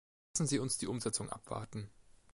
Lassen Sie uns die Umsetzung abwarten.